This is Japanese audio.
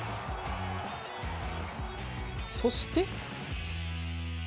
そして。